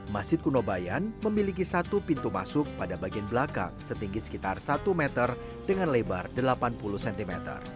masjid kunobayan memiliki satu pintu masuk pada bagian belakang setinggi sekitar satu meter dengan lebar delapan puluh cm